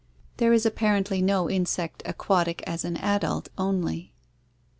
There is apparently no insect aquatic as an adult only.